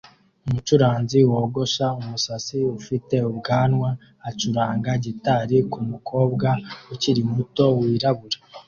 Umucuranzi wogosha umusatsi ufite ubwanwa acuranga gitari kumukobwa ukiri muto wirabura